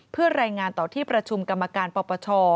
เพื่อรายงานต่อที่ประชุมกรรมการปปช